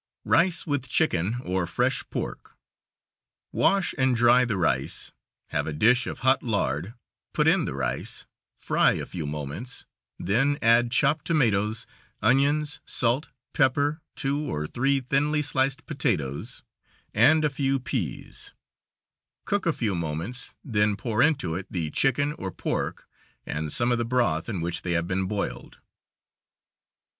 Rice with chicken or fresh pork: Wash and dry the rice; have a dish of hot lard, put in the rice, fry a few moments, then add chopped tomatoes, onions, salt, pepper, two or three thinly sliced potatoes, and a few pease; cook a few moments, then pour into it the chicken or pork and some of the broth in which they have been boiled.